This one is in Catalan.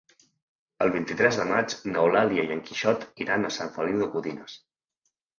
El vint-i-tres de maig n'Eulàlia i en Quixot iran a Sant Feliu de Codines.